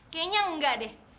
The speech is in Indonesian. kayaknya enggak deh